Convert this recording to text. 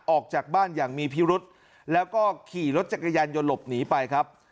ออกจากบ้านอย่างมีพิรุธแล้วก็ขี่รถจักรยานยนต์หลบหนีไปครับ